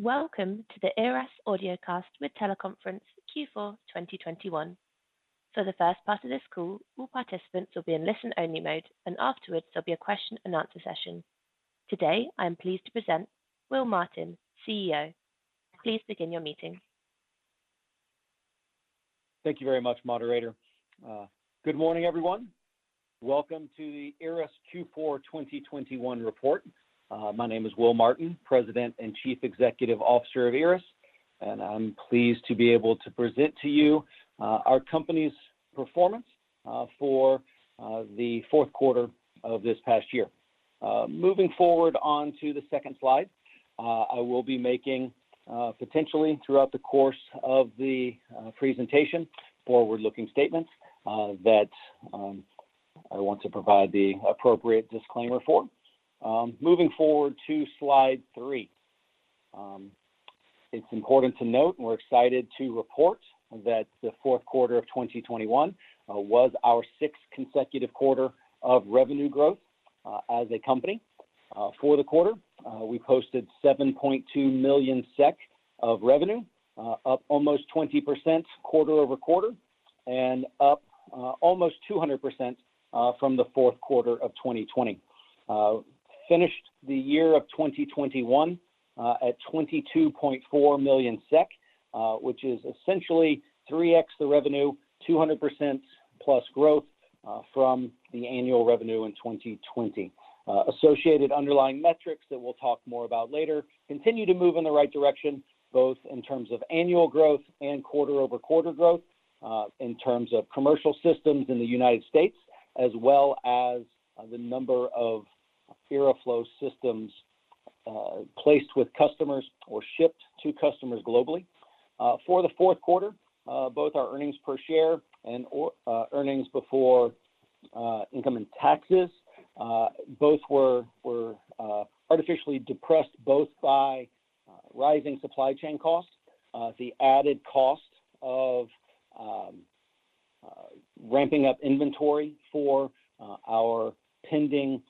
Welcome to the IRRAS Audiocast with Teleconference Q4 2021. For the first part of this call, all participants will be in listen-only mode, and afterwards there'll be a question and answer session. Today, I am pleased to present Will Martin, CEO. Please begin your meeting. Thank you very much, Operator. Good morning, everyone. Welcome to the IRRAS Q4 2021 report. My name is Will Martin, President and Chief Executive Officer of IRRAS, and I'm pleased to be able to present to you our company's performance for the fourth quarter of this past year. Moving forward onto the second slide, I will be making potentially throughout the course of the presentation forward-looking statements that I want to provide the appropriate disclaimer for. Moving forward to Slide 3. It's important to note, and we're excited to report that the fourth quarter of 2021 was our sixth consecutive quarter of revenue growth as a company. For the quarter, we posted 7.2 million SEK of revenue, up almost 20% quarter-over-quarter and up almost 200% from the fourth quarter of 2020. Finished the year of 2021 at 22.4 million SEK, which is essentially 3x the revenue, 200% plus growth from the annual revenue in 2020. Associated underlying metrics that we'll talk more about later continue to move in the right direction, both in terms of annual growth and quarter-over-quarter growth in terms of commercial systems in the United States, as well as the number of IRRAflow systems placed with customers or shipped to customers globally. For the fourth quarter, both our earnings per share and/or earnings before income and taxes both were artificially depressed both by rising supply chain costs, the added cost of ramping up inventory for our pending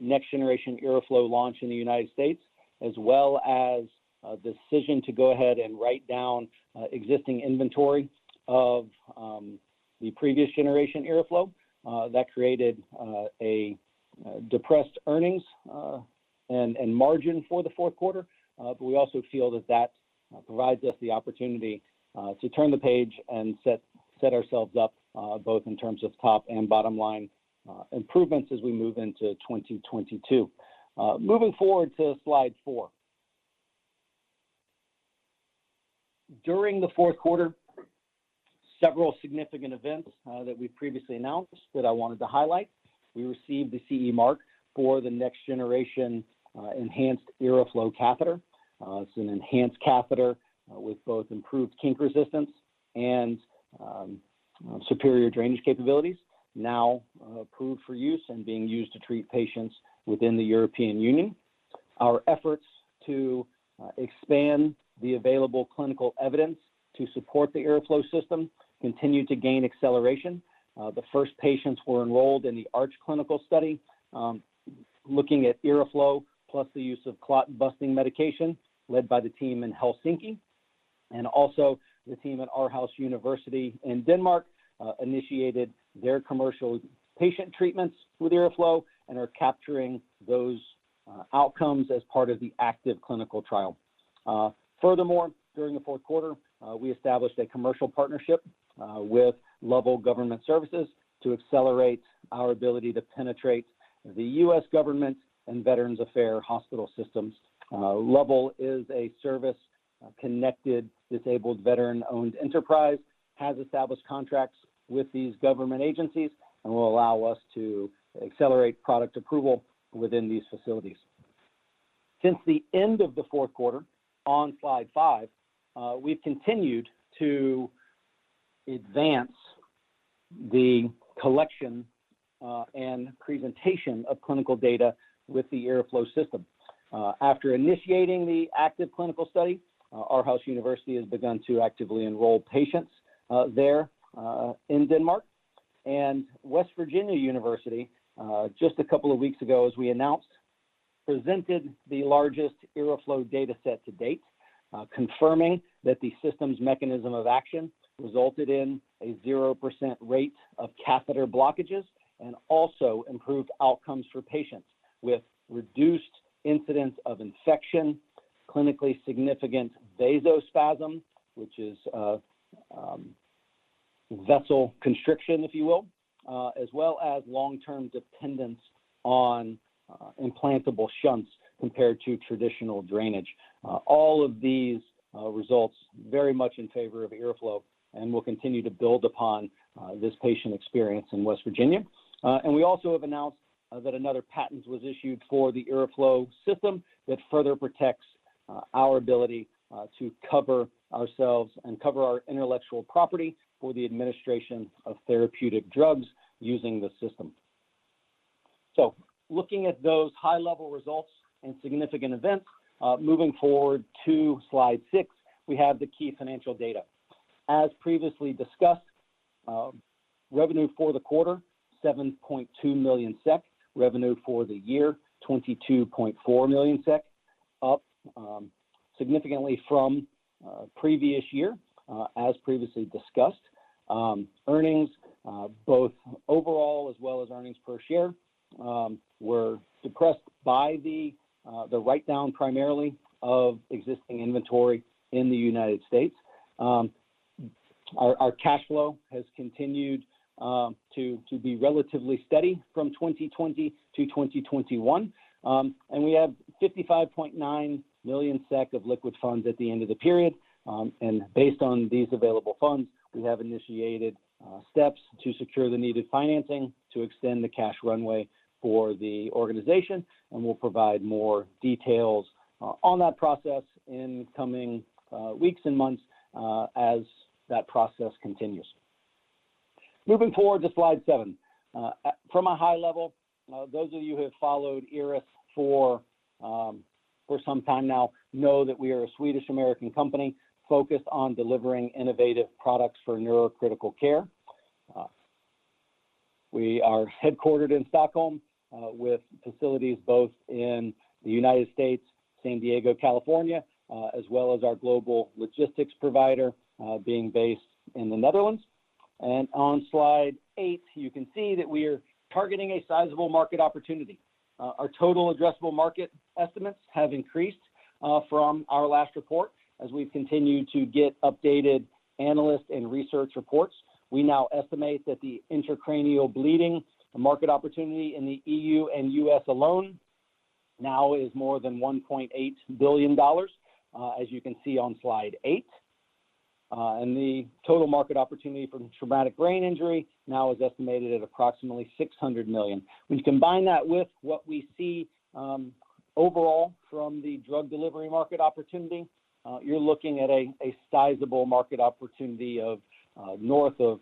next-generation IRRAflow launch in the United States, as well as a decision to go ahead and write down existing inventory of the previous-generation IRRAflow. That created a depressed earnings and margin for the fourth quarter. We also feel that that provides us the opportunity to turn the page and set ourselves up both in terms of top and bottom line improvements as we move into 2022. Moving forward to Slide 4. During the fourth quarter, several significant events that we previously announced that I wanted to highlight. We received the CE mark for the next generation enhanced IRRAflow catheter. It's an enhanced catheter with both improved kink resistance and superior drainage capabilities, now approved for use and being used to treat patients within the European Union. Our efforts to expand the available clinical evidence to support the IRRAflow system continued to gain acceleration. The first patients were enrolled in the ARCH clinical study looking at IRRAflow plus the use of clot-busting medication led by the team in Helsinki. Also the team at Aarhus University in Denmark initiated their commercial patient treatments with IRRAflow and are capturing those outcomes as part of the ACTIVE clinical trial. Furthermore, during the fourth quarter, we established a commercial partnership with Lovell Government Services to accelerate our ability to penetrate the U.S. government and Veterans Affairs hospital systems. Lovell is a service-connected, disabled veteran-owned enterprise, has established contracts with these government agencies and will allow us to accelerate product approval within these facilities. Since the end of the fourth quarter on Slide 5, we've continued to advance the collection and presentation of clinical data with the IRRAflow system. After initiating the active clinical study, Aarhus University has begun to actively enroll patients there in Denmark. West Virginia University just a couple of weeks ago, as we announced, presented the largest IRRAflow data set to date, confirming that the system's mechanism of action resulted in a 0% rate of catheter blockages and also improved outcomes for patients with reduced incidents of infection, clinically significant vasospasm, which is vessel constriction, if you will, as well as long-term dependence on implantable shunts compared to traditional drainage. All of these results very much in favor of IRRAflow and will continue to build upon this patient experience in West Virginia. We also have announced that another patent was issued for the IRRAflow system that further protects our ability to cover ourselves and cover our intellectual property for the administration of therapeutic drugs using the system. Looking at those high-level results and significant events, moving forward to Slide 6, we have the key financial data. As previously discussed, revenue for the quarter, 7.2 million SEK. Revenue for the year, 22.4 million SEK, up significantly from previous year, as previously discussed. Earnings, both overall as well as earnings per share, were suppressed by the write-down primarily of existing inventory in the United States. Our cash flow has continued to be relatively steady from 2020 to 2021. We have 55.9 million SEK of liquid funds at the end of the period. Based on these available funds, we have initiated steps to secure the needed financing to extend the cash runway for the organization, and we'll provide more details on that process in coming weeks and months, as that process continues. Moving forward to Slide 7. From a high level, those of you who have followed IRRAS for some time now know that we are a Swedish-American company focused on delivering innovative products for neurocritical care. We are headquartered in Stockholm, with facilities both in the United States, San Diego, California, as well as our global logistics provider being based in the Netherlands. On Slide 8, you can see that we are targeting a sizable market opportunity. Our total addressable market estimates have increased from our last report as we've continued to get updated analyst and research reports. We now estimate that the intracranial bleeding market opportunity in the EU and U.S. alone now is more than $1.8 billion, as you can see on Slide 8. The total market opportunity for traumatic brain injury now is estimated at approximately $600 million. When you combine that with what we see overall from the drug delivery market opportunity, you're looking at a sizable market opportunity of north of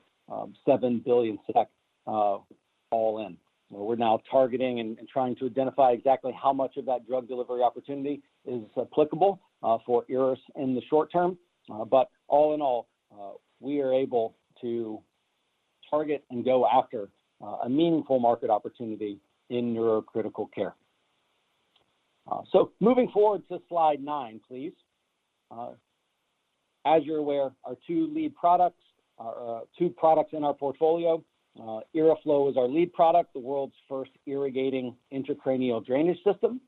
7 billion SEK, all in. We're now targeting and trying to identify exactly how much of that drug delivery opportunity is applicable for IRRAS in the short term. All in all, we are able to target and go after a meaningful market opportunity in neurocritical care. Moving forward to Slide 9, please. As you're aware, our two lead products are two products in our portfolio. IRRAflow is our lead product, the world's first irrigating intracranial drainage system.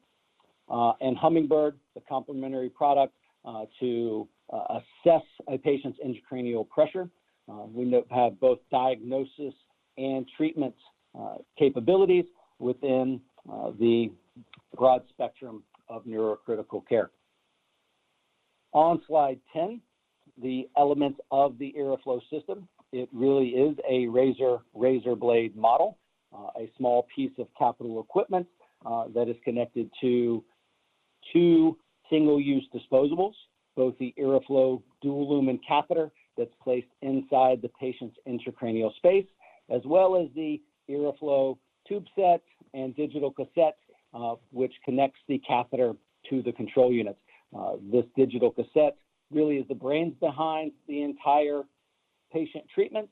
And Hummingbird, the complementary product, to assess a patient's intracranial pressure. We now have both diagnosis and treatment capabilities within the broad spectrum of neurocritical care. On Slide 10, the elements of the IRRAflow system, it really is a razor blade model. A small piece of capital equipment that is connected to two single-use disposables, both the IRRAflow dual lumen catheter that's placed inside the patient's intracranial space, as well as the IRRAflow tube set and digital cassette, which connects the catheter to the control unit. This digital cassette really is the brains behind the entire patient treatment,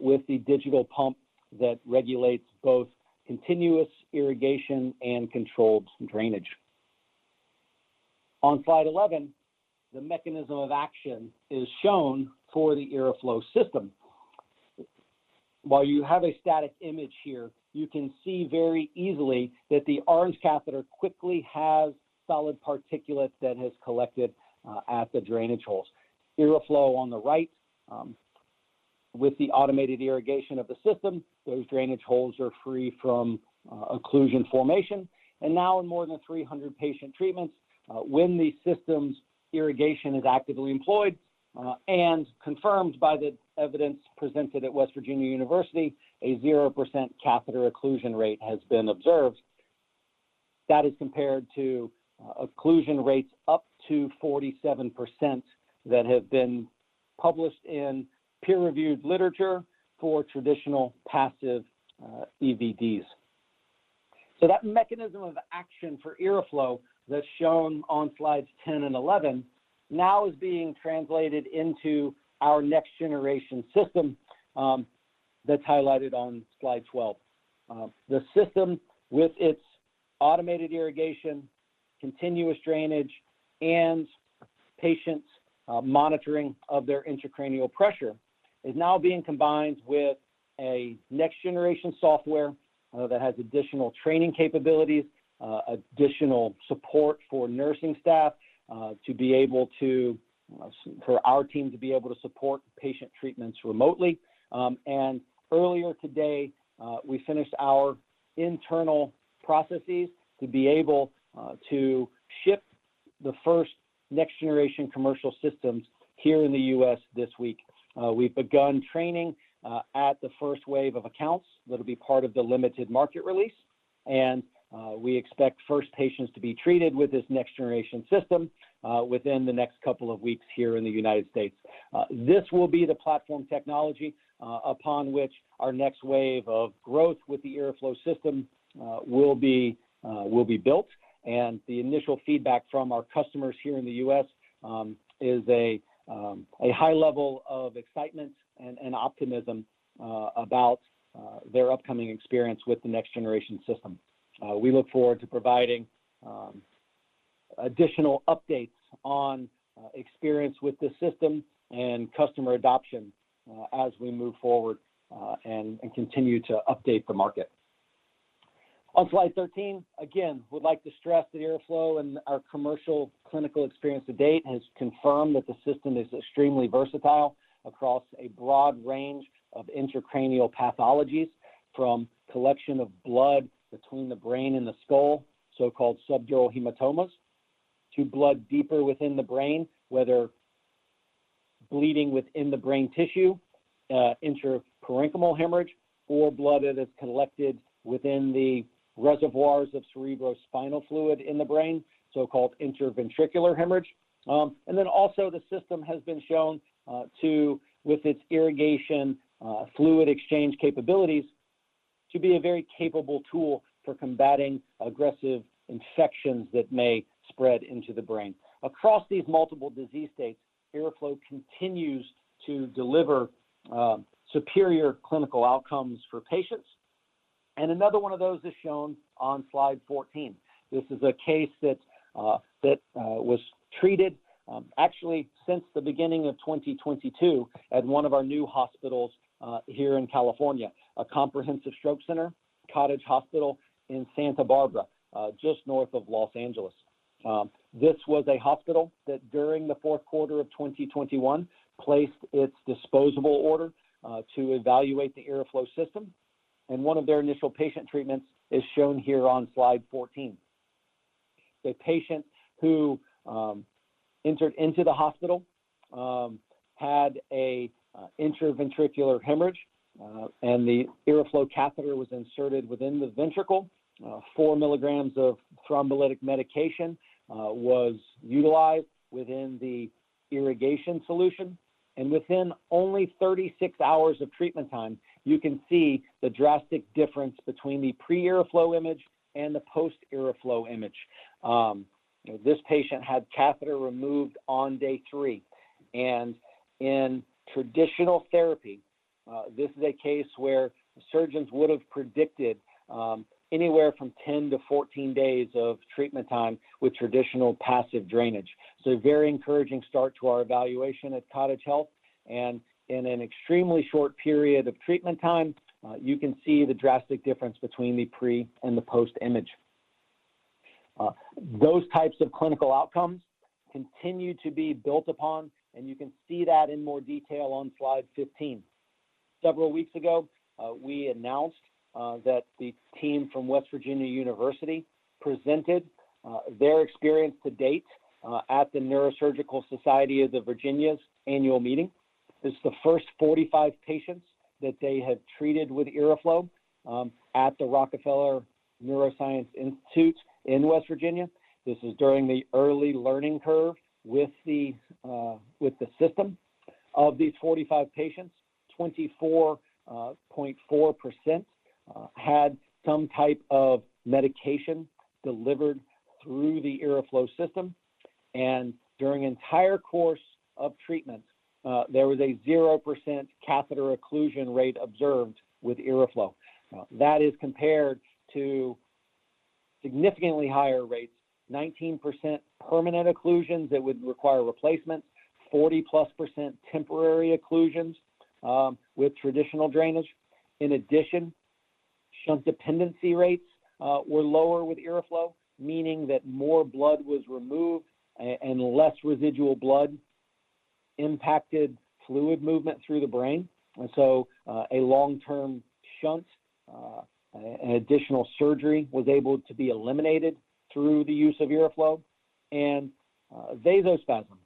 with the digital pump that regulates both continuous irrigation and controlled drainage. On Slide 11, the mechanism of action is shown for the IRRAflow system. While you have a static image here, you can see very easily that the orange catheter quickly has solid particulates that has collected at the drainage holes. IRRAflow on the right, with the automated irrigation of the system, those drainage holes are free from occlusion formation. Now, in more than 300 patient treatments, when the system's irrigation is actively employed, and confirmed by the evidence presented at West Virginia University, a 0% catheter occlusion rate has been observed. That is compared to occlusion rates up to 47% that have been published in peer-reviewed literature for traditional passive EVDs. That mechanism of action for IRRAflow that's shown on Slides 10 and 11 now is being translated into our next-generation system that's highlighted on Slide 12. The system with its automated irrigation, continuous drainage, and patient monitoring of their intracranial pressure is now being combined with a next-generation software that has additional training capabilities, additional support for nursing staff, so our team to be able to support patient treatments remotely. Earlier today, we finished our internal processes to be able to ship the first next-generation commercial systems here in the U.S. this week. We've begun training at the first wave of accounts that'll be part of the limited market release, and we expect first patients to be treated with this next-generation system within the next couple of weeks here in the United States. This will be the platform technology upon which our next wave of growth with the IRRAflow system will be built. The initial feedback from our customers here in the U.S. is a high level of excitement and optimism about their upcoming experience with the next generation system. We look forward to providing additional updates on experience with this system and customer adoption as we move forward and continue to update the market. On Slide 13, again, we'd like to stress that IRRAflow and our commercial clinical experience to date has confirmed that the system is extremely versatile across a broad range of intracranial pathologies, from collection of blood between the brain and the skull, so-called subdural hematomas, to blood deeper within the brain, whether bleeding within the brain tissue, intraparenchymal hemorrhage, or blood that has collected within the reservoirs of cerebrospinal fluid in the brain, so-called intraventricular hemorrhage. The system has been shown, with its irrigation fluid exchange capabilities, to be a very capable tool for combating aggressive infections that may spread into the brain. Across these multiple disease states, IRRAflow continues to deliver superior clinical outcomes for patients. Another one of those is shown on Slide 14. This is a case that was treated actually since the beginning of 2022 at one of our new hospitals here in California, a comprehensive stroke center, Santa Barbara Cottage Hospital just north of Los Angeles. This was a hospital that during the fourth quarter of 2021 placed its disposable order to evaluate the IRRAflow system, and one of their initial patient treatments is shown here on Slide 14. The patient who entered into the hospital had an intraventricular hemorrhage, and the IRRAflow catheter was inserted within the ventricle. Four milligrams of thrombolytic medication was utilized within the irrigation solution. Within only 36 hours of treatment time, you can see the drastic difference between the pre-IRRAflow image and the post-IRRAflow image. This patient had catheter removed on day three. In traditional therapy, this is a case where surgeons would have predicted anywhere from 10 to 14 days of treatment time with traditional passive drainage. A very encouraging start to our evaluation at Cottage Health. In an extremely short period of treatment time, you can see the drastic difference between the pre and the post image. Those types of clinical outcomes continue to be built upon, and you can see that in more detail on Slide 15. Several weeks ago, we announced that the team from West Virginia University presented their experience to date at the Neurosurgical Society of the Virginias annual meeting. This is the first 45 patients that they had treated with IRRAflow at the Rockefeller Neuroscience Institute in West Virginia. This is during the early learning curve with the system. Of these 45 patients, 24.4% had some type of medication delivered through the IRRAflow system. During entire course of treatment, there was a 0% catheter occlusion rate observed with IRRAflow. That is compared to significantly higher rates, 19% permanent occlusions that would require replacement, 40%+ temporary occlusions with traditional drainage. In addition, shunt dependency rates were lower with IRRAflow, meaning that more blood was removed and less residual blood impacted fluid movement through the brain. A long-term shunt, an additional surgery was able to be eliminated through the use of IRRAflow. Vasospasm,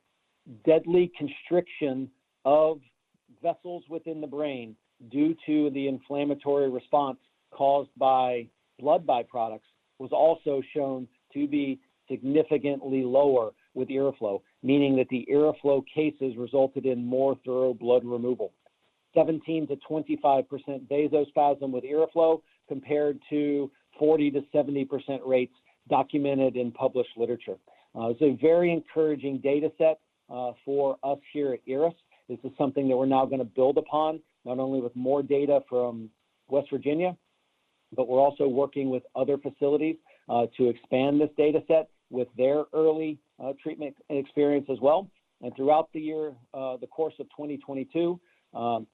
deadly constriction of vessels within the brain due to the inflammatory response caused by blood byproducts, was also shown to be significantly lower with IRRAflow, meaning that the IRRAflow cases resulted in more thorough blood removal. 17%-25% vasospasm with IRRAflow compared to 40%-70% rates documented in published literature. It's a very encouraging data set for us here at IRRAS. This is something that we're now going to build upon, not only with more data from West Virginia, but we're also working with other facilities to expand this data set with their early treatment experience as well. Throughout the year, the course of 2022,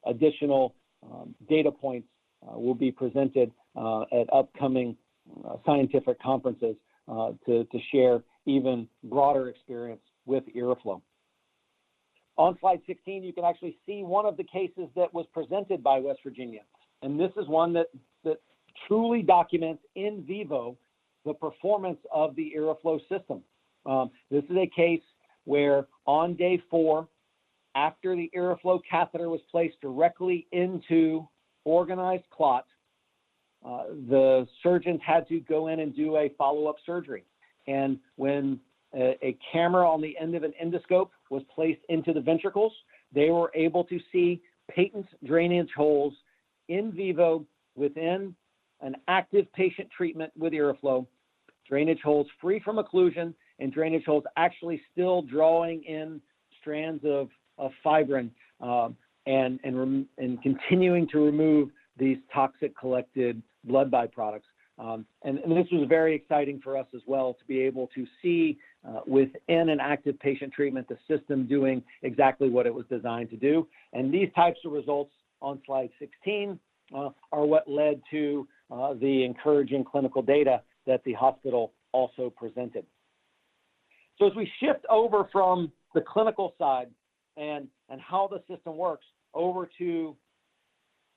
additional data points will be presented at upcoming scientific conferences to share even broader experience with IRRAflow. On Slide 16, you can actually see one of the cases that was presented by West Virginia, and this is one that truly documents in vivo the performance of the IRRAflow system. This is a case where on day 4, after the IRRAflow catheter was placed directly into organized clot, the surgeon had to go in and do a follow-up surgery. When a camera on the end of an endoscope was placed into the ventricles, they were able to see patent drainage holes in vivo within an active patient treatment with IRRAflow, drainage holes free from occlusion and drainage holes actually still drawing in strands of fibrin and continuing to remove these toxic collected blood byproducts. This was very exciting for us as well to be able to see within an active patient treatment the system doing exactly what it was designed to do. These types of results on Slide 16 are what led to the encouraging clinical data that the hospital also presented. As we shift over from the clinical side and how the system works over to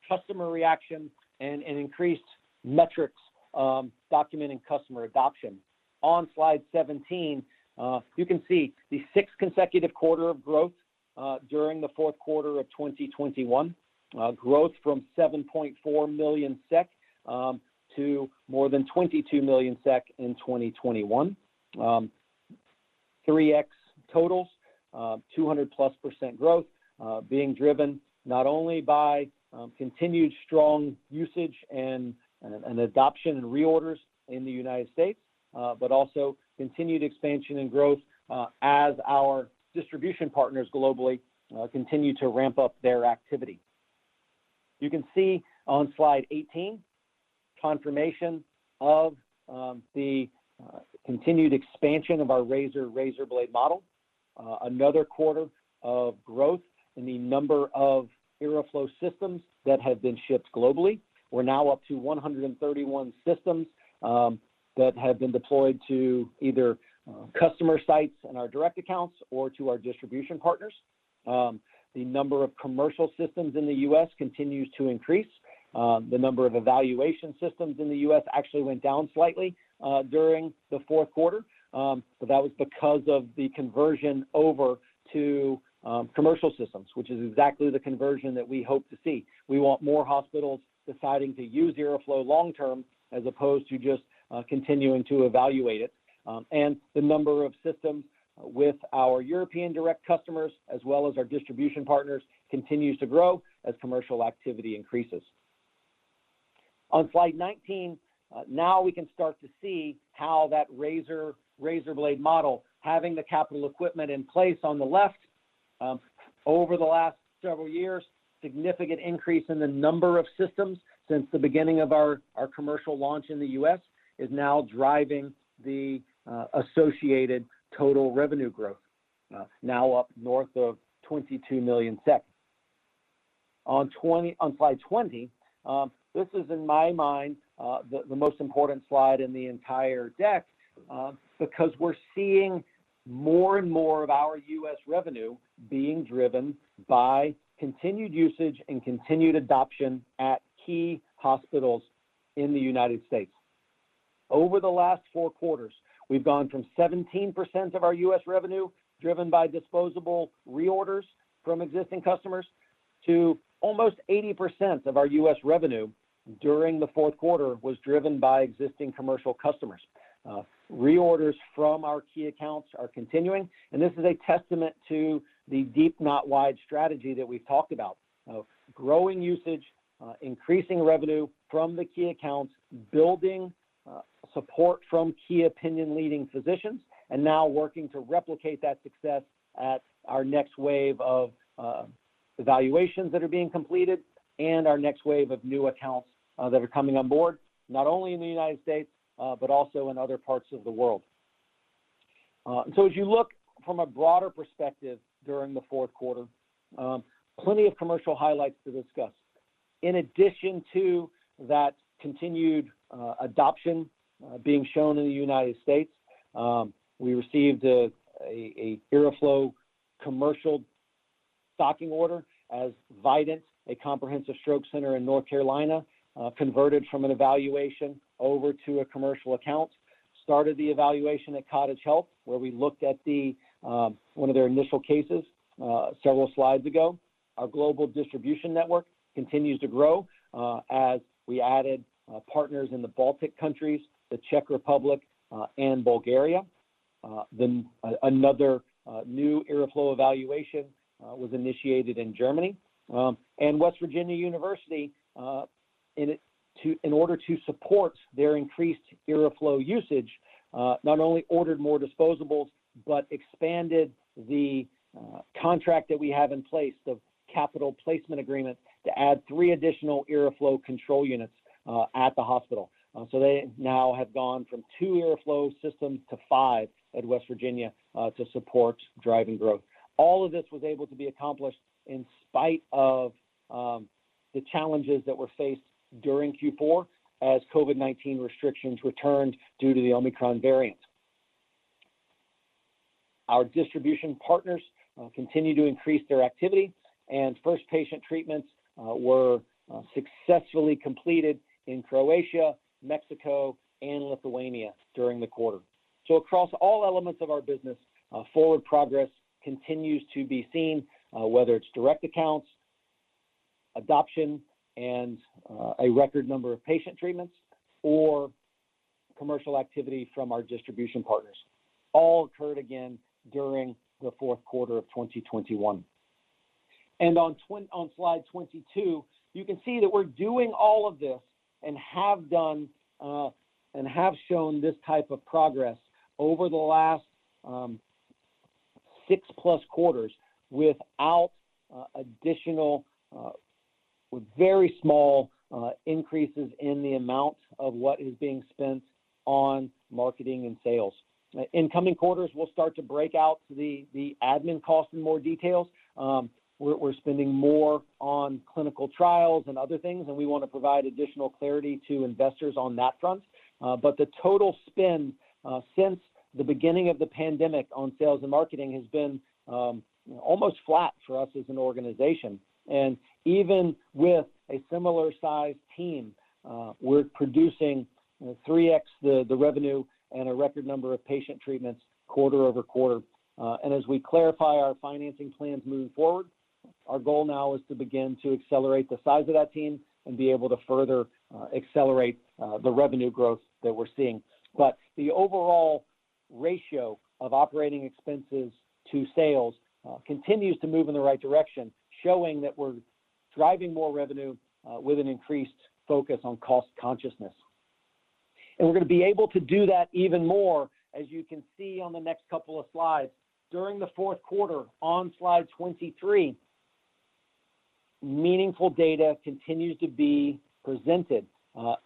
customer reaction and increased metrics documenting customer adoption. On Slide 17, you can see the sixth consecutive quarter of growth during the fourth quarter of 2021. Growth from 7.4 million SEK to more than 22 million SEK in 2021. 3x totals, 200%+ growth being driven not only by continued strong usage and adoption and reorders in the United States, but also continued expansion and growth as our distribution partners globally continue to ramp up their activity. You can see on Slide 18, confirmation of the continued expansion of our razor blade model. Another quarter of growth in the number of IRRAflow systems that have been shipped globally. We're now up to 131 systems that have been deployed to either customer sites and our direct accounts or to our distribution partners. The number of commercial systems in the U.S. continues to increase. The number of evaluation systems in the U.S. actually went down slightly during the fourth quarter. That was because of the conversion over to commercial systems, which is exactly the conversion that we hope to see. We want more hospitals deciding to use IRRAflow long term as opposed to just continuing to evaluate it. The number of systems with our European direct customers as well as our distribution partners continues to grow as commercial activity increases. On Slide 19, now we can start to see how that razor blade model, having the capital equipment in place on the left over the last several years, significant increase in the number of systems since the beginning of our commercial launch in the U.S. is now driving the associated total revenue growth. Now up north of 22 million. On Slide 20, this is in my mind the most important slide in the entire deck because we're seeing more and more of our U.S. revenue being driven by continued usage and continued adoption at key hospitals in the United States. Over the last four quarters, we've gone from 17% of our U.S. revenue driven by disposable reorders from existing customers to almost 80% of our U.S. revenue during the fourth quarter was driven by existing commercial customers. Reorders from our key accounts are continuing. This is a testament to the deep not wide strategy that we've talked about of growing usage, increasing revenue from the key accounts, building support from key opinion leaders, and now working to replicate that success at our next wave of evaluations that are being completed and our next wave of new accounts that are coming on board, not only in the United States, but also in other parts of the world. As you look from a broader perspective during the fourth quarter, plenty of commercial highlights to discuss. In addition to that continued adoption being shown in the United States, we received a IRRAflow commercial stocking order as Vidant, a comprehensive stroke center in North Carolina, converted from an evaluation over to a commercial account, started the evaluation at Cottage Health, where we looked at one of their initial cases several slides ago. Our global distribution network continues to grow as we added partners in the Baltic countries, the Czech Republic, and Bulgaria. Another new IRRAflow evaluation was initiated in Germany. West Virginia University, in order to support their increased IRRAflow usage, not only ordered more disposables, but expanded the contract that we have in place, the capital placement agreement, to add three additional IRRAflow control units at the hospital. They now have gone from two IRRAflow systems to five at West Virginia to support driving growth. All of this was able to be accomplished in spite of the challenges that were faced during Q4 as COVID-19 restrictions returned due to the Omicron variant. Our distribution partners continue to increase their activity, and first patient treatments were successfully completed in Croatia, Mexico, and Lithuania during the quarter. Across all elements of our business, forward progress continues to be seen, whether it's direct accounts, adoption, and a record number of patient treatments, or commercial activity from our distribution partners. All occurred again during the fourth quarter of 2021. On Slide 22, you can see that we're doing all of this and have done and have shown this type of progress over the last six plus quarters without additional very small increases in the amount of what is being spent on marketing and sales. In coming quarters, we'll start to break out the admin costs in more details. We're spending more on clinical trials and other things, and we want to provide additional clarity to investors on that front. The total spend since the beginning of the pandemic on sales and marketing has been almost flat for us as an organization. Even with a similar size team, we're producing 3x the revenue and a record number of patient treatments quarter-over-quarter. As we clarify our financing plans moving forward, our goal now is to begin to accelerate the size of that team and be able to further accelerate the revenue growth that we're seeing. The overall ratio of operating expenses to sales continues to move in the right direction, showing that we're driving more revenue with an increased focus on cost consciousness. We're going to be able to do that even more, as you can see on the next couple of slides. During the fourth quarter on Slide 23, meaningful data continues to be presented.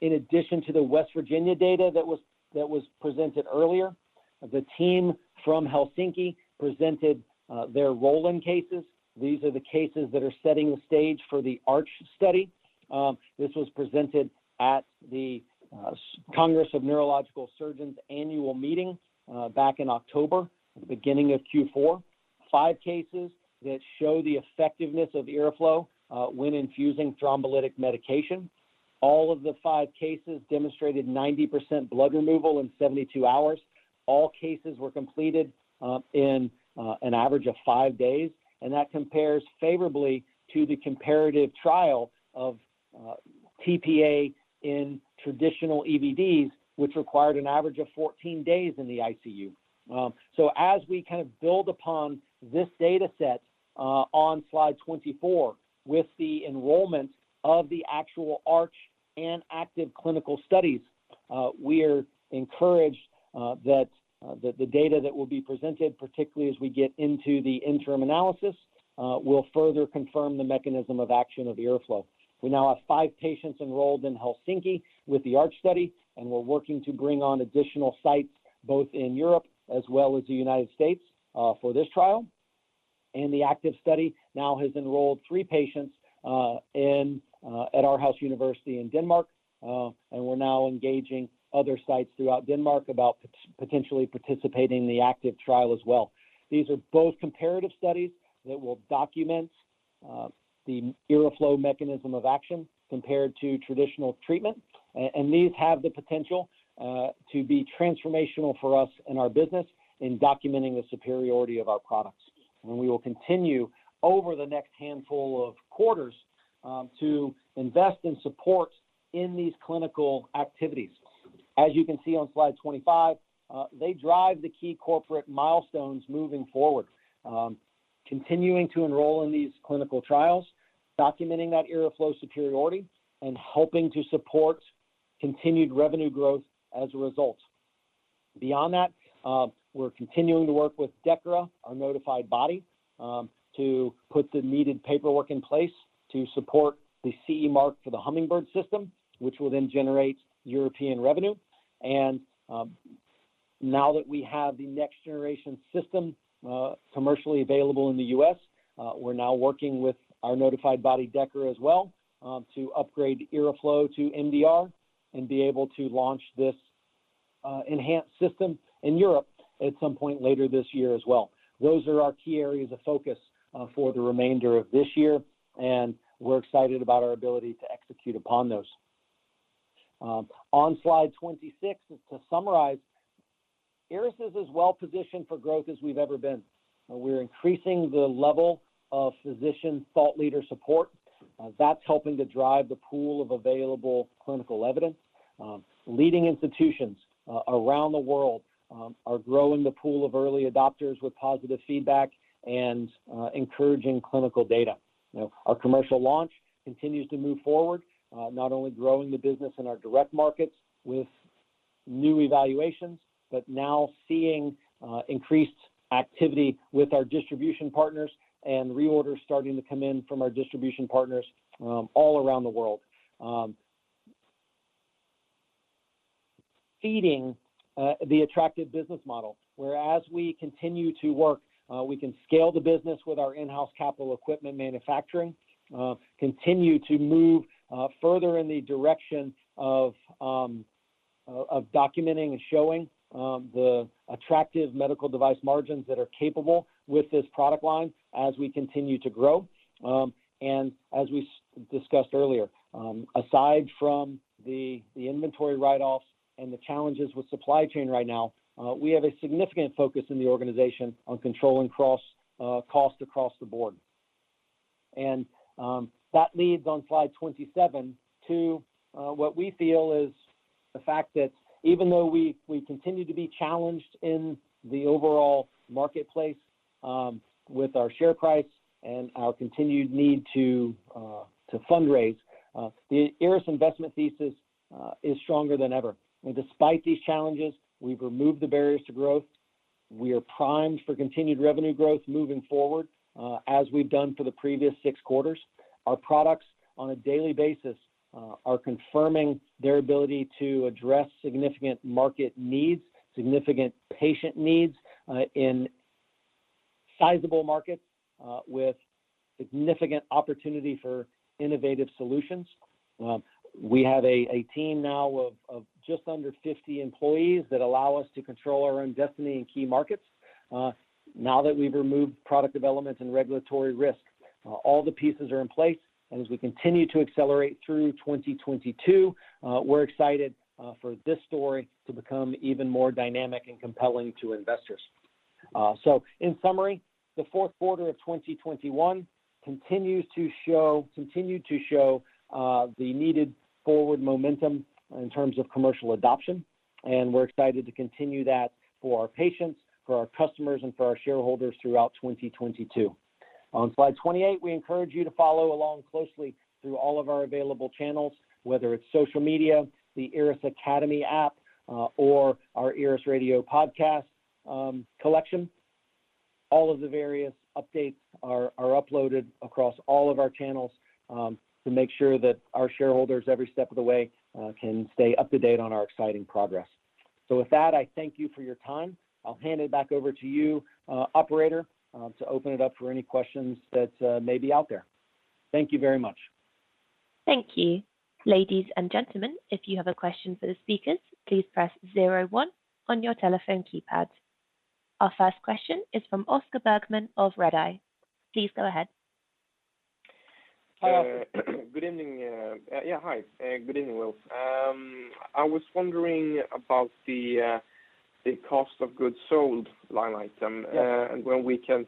In addition to the West Virginia data that was presented earlier, the team from Helsinki presented their roll-in cases. These are the cases that are setting the stage for the ARCH study. This was presented at the Congress of Neurological Surgeons annual meeting back in October, the beginning of Q4. 5 cases that show the effectiveness of IRRAflow when infusing thrombolytic medication. All of the five cases demonstrated 90% blood removal in 72 hours. All cases were completed in an average of 5 days. That compares favorably to the comparative trial of TPA in traditional EVDs, which required an average of 14 days in the ICU. As we kind of build upon this data set on Slide 24 with the enrollment of the actual ARCH and ACTIVE clinical studies, we are encouraged that the data that will be presented, particularly as we get into the interim analysis, will further confirm the mechanism of action of IRRAflow. We now have five patients enrolled in Helsinki with the ARCH study, and we're working to bring on additional sites, both in Europe as well as the United States for this trial. The ACTIVE study now has enrolled three patients at Aarhus University in Denmark, and we're now engaging other sites throughout Denmark about potentially participating in the ACTIVE trial as well. These are both comparative studies that will document the IRRAflow mechanism of action compared to traditional treatment. These have the potential to be transformational for us and our business in documenting the superiority of our products. We will continue over the next handful of quarters to invest in support of these clinical activities. As you can see on Slide 25, they drive the key corporate milestones moving forward, continuing to enroll in these clinical trials, documenting that IRRAflow superiority, and helping to support continued revenue growth as a result. Beyond that, we're continuing to work with DEKRA, our notified body, to put the needed paperwork in place to support the CE mark for the Hummingbird system, which will then generate European revenue. Now that we have the next generation system commercially available in the U.S., we're now working with our notified body DEKRA as well to upgrade IRRAflow to MDR and be able to launch this enhanced system in Europe at some point later this year as well. Those are our key areas of focus for the remainder of this year, and we're excited about our ability to execute upon those. On Slide 26, to summarize, IRRAS is as well positioned for growth as we've ever been. We're increasing the level of physician thought leader support. That's helping to drive the pool of available clinical evidence. Leading institutions around the world are growing the pool of early adopters with positive feedback and encouraging clinical data. Our commercial launch continues to move forward, not only growing the business in our direct markets with new evaluations, but now seeing increased activity with our distribution partners and reorders starting to come in from our distribution partners all around the world. Feeding the attractive business model, whereas we continue to work, we can scale the business with our in-house capital equipment manufacturing, continue to move further in the direction of documenting and showing the attractive medical device margins that are capable with this product line as we continue to grow. As we discussed earlier, aside from the inventory write-offs and the challenges with supply chain right now, we have a significant focus in the organization on controlling costs across the board. That leads on Slide 27 to what we feel is the fact that even though we continue to be challenged in the overall marketplace, with our share price and our continued need to fundraise, the IRRAS investment thesis is stronger than ever. Despite these challenges, we've removed the barriers to growth. We are primed for continued revenue growth moving forward, as we've done for the previous six quarters. Our products on a daily basis are confirming their ability to address significant market needs, significant patient needs, in sizable markets, with significant opportunity for innovative solutions. We have a team now of just under 50 employees that allow us to control our own destiny in key markets. Now that we've removed product developments and regulatory risk, all the pieces are in place. As we continue to accelerate through 2022, we're excited for this story to become even more dynamic and compelling to investors. So in summary, the fourth quarter of 2021 continued to show the needed forward momentum in terms of commercial adoption, and we're excited to continue that for our patients, for our customers, and for our shareholders throughout 2022. On Slide 28, we encourage you to follow along closely through all of our available channels, whether it's social media, the IRRAS Academy app, or our IRRAS Radio podcast collection. All of the various updates are uploaded across all of our channels to make sure that our shareholders every step of the way can stay up to date on our exciting progress. With that, I thank you for your time. I'll hand it back over to you, operator, to open it up for any questions that may be out there. Thank you very much. Thank you. Ladies and gentlemen, if you have a question for the speakers, please press zero, one on your telephone keypad. Our first question is from Oskar Bergman of Redeye. Please go ahead. Hi, Oskar. Good evening. Yeah, hi. Good evening, Will. I was wondering about the cost of goods sold line item. Yes. When we can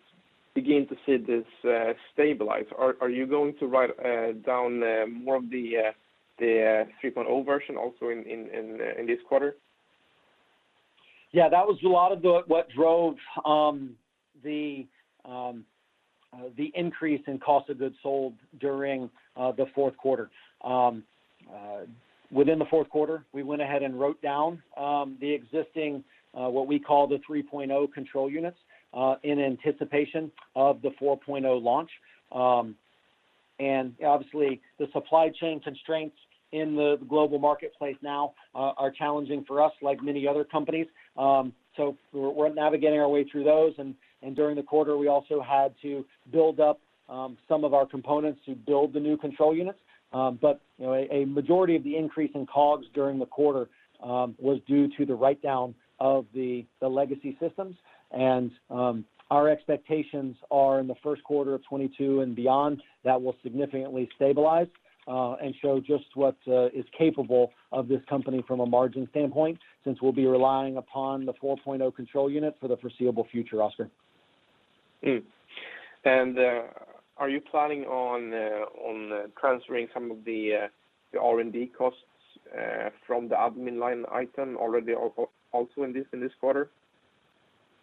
begin to see this stabilize. Are you going to write down more of the 3.0 version also in this quarter? Yeah, that was a lot of what drove the increase in cost of goods sold during the fourth quarter. Within the fourth quarter, we went ahead and wrote down the existing what we call the 3.0 control units in anticipation of the 4.0 launch. Obviously the supply chain constraints in the global marketplace now are challenging for us like many other companies. We're navigating our way through those. During the quarter, we also had to build up some of our components to build the new control units. You know, a majority of the increase in COGS during the quarter was due to the write-down of the legacy systems. Our expectations are in the first quarter of 2022 and beyond, that will significantly stabilize and show just what is capable of this company from a margin standpoint, since we'll be relying upon the 4.0 control unit for the foreseeable future, Oskar. Are you planning on transferring some of the R&D costs from the admin line item already also in this quarter?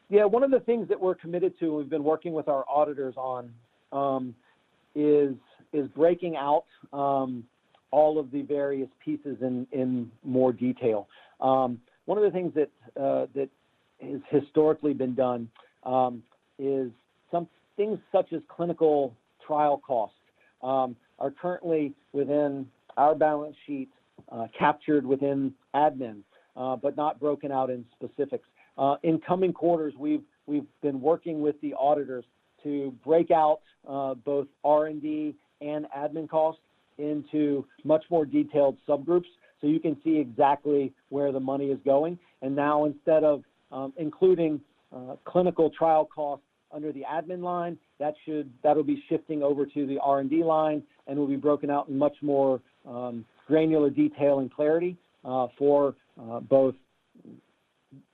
One of the things that we're committed to, we've been working with our auditors on, is breaking out all of the various pieces in more detail. One of the things that has historically been done is some things such as clinical trial costs are currently within our balance sheets, captured within admin, but not broken out in specifics. In coming quarters, we've been working with the auditors to break out both R&D and admin costs into much more detailed subgroups, so you can see exactly where the money is going. Now, instead of including clinical trial costs under the admin line, that'll be shifting over to the R&D line and will be broken out in much more granular detail and clarity for both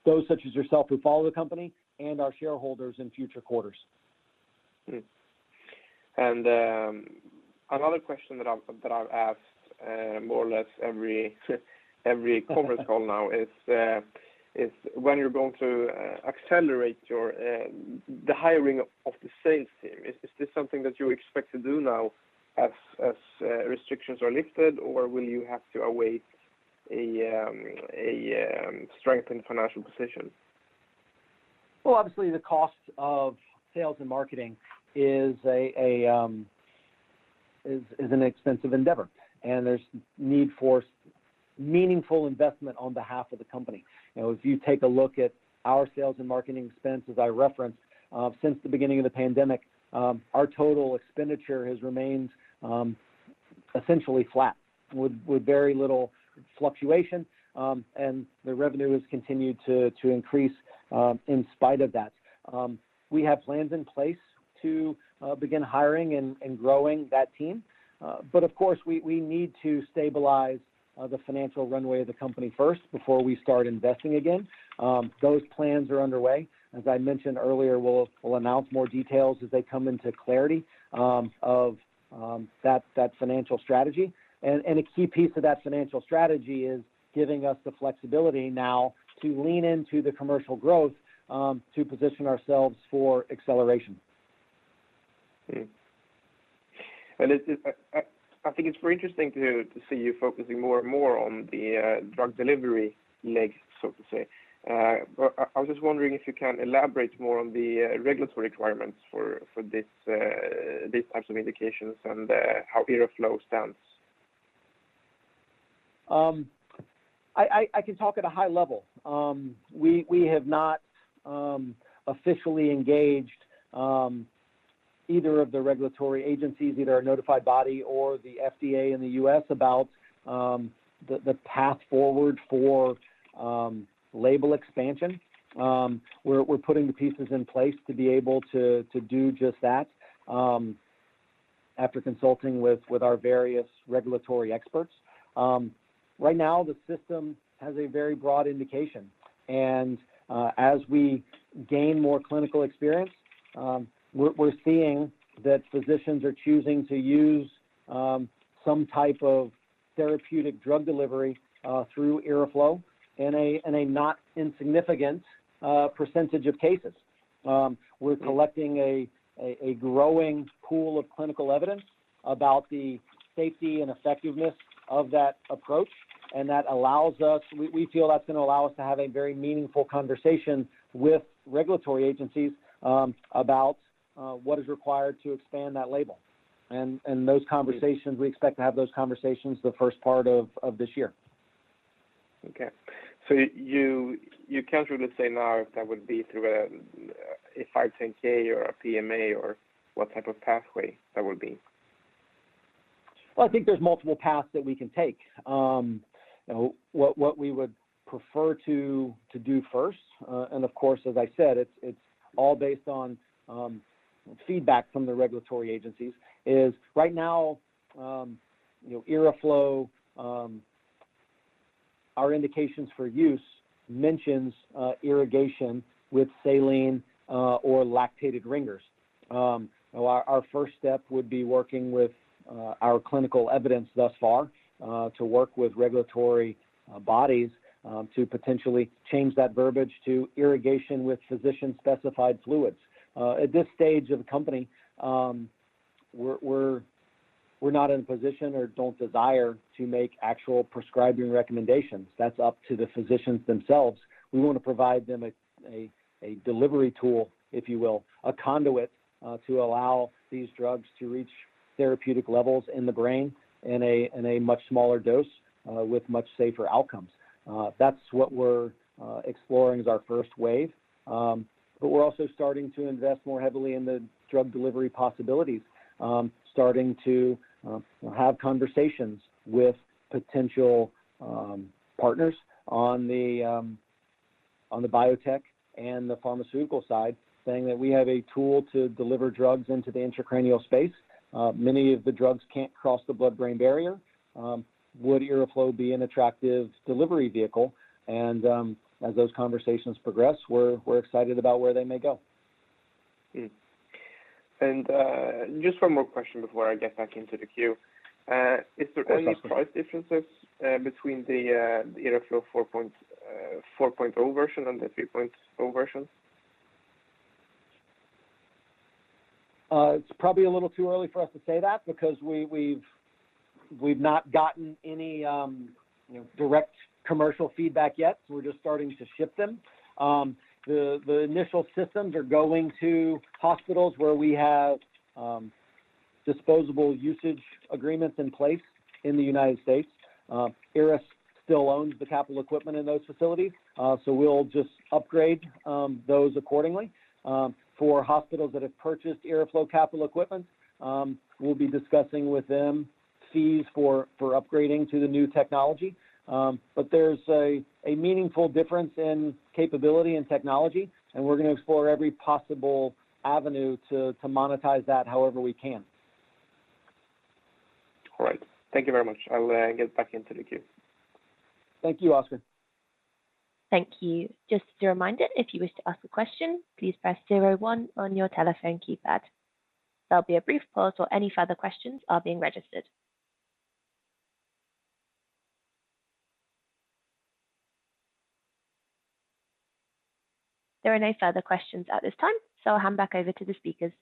those such as yourself who follow the company and our shareholders in future quarters. Another question that I've asked more or less every conference call now is when you're going to accelerate the hiring of the sales team. Is this something that you expect to do now as restrictions are lifted, or will you have to await a strengthened financial position? Well, obviously, the cost of sales and marketing is an expensive endeavor, and there's need for meaningful investment on behalf of the company. You know, if you take a look at our sales and marketing expense, as I referenced, since the beginning of the pandemic, our total expenditure has remained essentially flat with very little fluctuation, and the revenue has continued to increase in spite of that. We have plans in place to begin hiring and growing that team. Of course, we need to stabilize the financial runway of the company first before we start investing again. Those plans are underway. As I mentioned earlier, we'll announce more details as they come into clarity of that financial strategy. A key piece of that financial strategy is giving us the flexibility now to lean into the commercial growth, to position ourselves for acceleration. I think it's very interesting to see you focusing more and more on the drug delivery leg, so to say. I was just wondering if you can elaborate more on the regulatory requirements for these types of indications and how IRRAflow stands. I can talk at a high level. We have not officially engaged either of the regulatory agencies, either our notified body or the FDA in the U.S. about the path forward for label expansion. We're putting the pieces in place to be able to do just that after consulting with our various regulatory experts. Right now the system has a very broad indication and as we gain more clinical experience, we're seeing that physicians are choosing to use some type of therapeutic drug delivery through IRRAflow in a not insignificant percentage of cases. We're collecting a growing pool of clinical evidence about the safety and effectiveness of that approach, and that allows us. We feel that's gonna allow us to have a very meaningful conversation with regulatory agencies about what is required to expand that label. Those conversations we expect to have the first part of this year. You can't really say now if that would be through a 510(k) or a PMA or what type of pathway that would be? Well, I think there's multiple paths that we can take. What we would prefer to do first, and of course, as I said, it's all based on feedback from the regulatory agencies, is right now, you know, IRRAflow, our indications for use mentions irrigation with saline or Lactated Ringer's. Our first step would be working with our clinical evidence thus far to work with regulatory bodies to potentially change that verbiage to irrigation with physician-specified fluids. At this stage of the company, we're not in a position or don't desire to make actual prescribing recommendations. That's up to the physicians themselves. We want to provide them a delivery tool, if you will, a conduit, to allow these drugs to reach therapeutic levels in the brain in a much smaller dose, with much safer outcomes. That's what we're exploring as our first wave. We're also starting to invest more heavily in the drug delivery possibilities, starting to have conversations with potential partners on the biotech and the pharmaceutical side, saying that we have a tool to deliver drugs into the intracranial space. Many of the drugs can't cross the blood-brain barrier. Would IRRAflow be an attractive delivery vehicle? As those conversations progress, we're excited about where they may go. Just one more question before I get back into the queue. Yes, Oskar. Is there any price differences between the IRRAflow 4.0 version and the 3.0 version? It's probably a little too early for us to say that because we've not gotten any, you know, direct commercial feedback yet, so we're just starting to ship them. The initial systems are going to hospitals where we have disposable usage agreements in place in the United States. IRRAS still owns the capital equipment in those facilities, so we'll just upgrade those accordingly. For hospitals that have purchased IRRAflow capital equipment, we'll be discussing with them fees for upgrading to the new technology. There's a meaningful difference in capability and technology, and we're gonna explore every possible avenue to monetize that however we can. All right. Thank you very much. I will get back into the queue. Thank you, Oskar. Thank you. Just a reminder, if you wish to ask a question, please press zero-one on your telephone keypad. There'll be a brief pause while any further questions are being registered. There are no further questions at this time, so I'll hand back over to the speakers.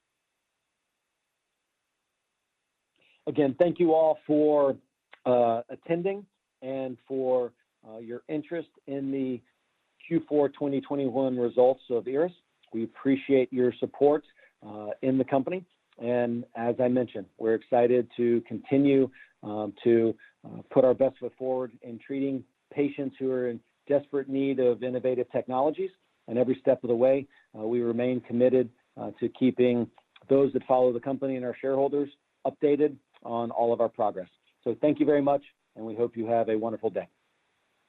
Again, thank you all for attending and for your interest in the Q4 2021 results of IRRAS. We appreciate your support in the company. As I mentioned, we're excited to continue to put our best foot forward in treating patients who are in desperate need of innovative technologies. Every step of the way, we remain committed to keeping those that follow the company and our shareholders updated on all of our progress. Thank you very much, and we hope you have a wonderful day.